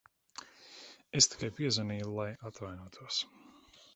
Es tikai piezvanīju, lai atvainotos.